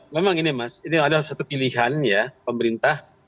memang ini mas ini adalah satu pilihan ya pemerintah